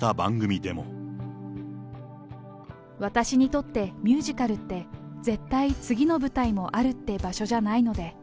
私にとって、ミュージカルって、絶対次の舞台もあるって場所じゃないので。